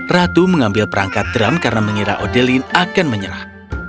ratu mengambil perangkat drum karena mengira odelin akan menyerah